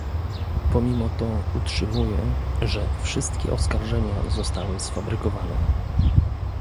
Pomimo to utrzymuje, że wszystkie oskarżenia zostały sfabrykowane